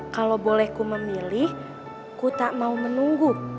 kalau boleh ku memilih ku tak mau menunggu